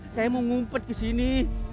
saya mau ngumpet kesini